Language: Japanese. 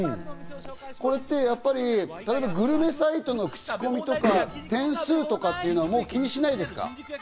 これってグルメサイトの口コミとか、点数とかっていうのは、もう気にしないですか？